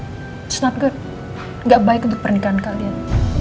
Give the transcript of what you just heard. it's not good gak baik untuk pernikahan kalian